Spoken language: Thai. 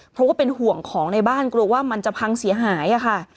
เพราะว่าเป็นห่วงของในบ้านกลัวว่ามันจะพังเสียหายค่ะ